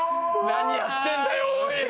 何やってんだよおい！